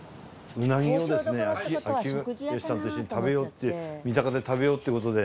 うなぎをですね秋吉さんと一緒に食べようって三鷹で食べようって事で。